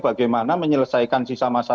bagaimana menyelesaikan sisa masa